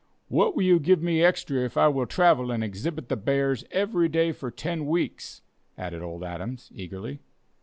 "What will you give me extra if I will travel and exhibit the bears every day for ten weeks?" added old Adams, eagerly.